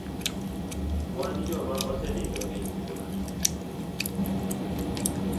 Kwan joma osenindo ng'eny buora.